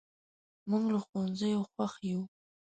موږ له ښوونځي خوښ یو.